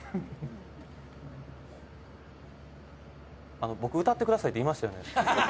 あの僕歌ってくださいって言いましたよね。